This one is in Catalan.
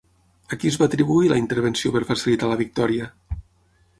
A qui es va atribuir la intervenció per facilitar la victòria?